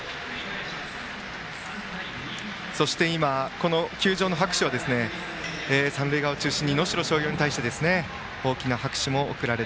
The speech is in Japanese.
そして今、球場の拍手は三塁側を中心に能代松陽に対して大きな拍手です。